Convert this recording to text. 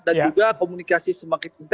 dan juga komunikasi semakin tinggi